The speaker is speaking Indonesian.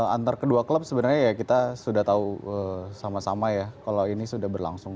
antara kedua klub sebenarnya ya kita sudah tahu sama sama ya kalau ini sudah berlangsung